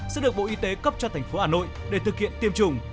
sẽ được bộ y tế cấp cho thành phố hà nội để thực hiện tiêm chủng